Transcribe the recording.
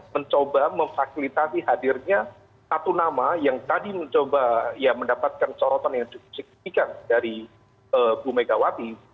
mencoba memfakilitasi hadirnya satu nama yang tadi mencoba ya mendapatkan corotan yang disiksaikan dari ibu megawati